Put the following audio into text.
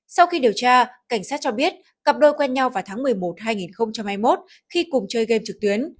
sau khi điều tra cảnh sát cho biết cặp đôi quen nhau vào tháng một mươi một hai nghìn hai mươi một khi cùng chơi game trực tuyến